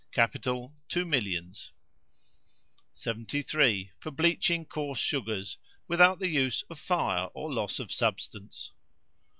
Capital, two millions. 73. For bleaching coarse sugars, without the use of fire or loss of substance.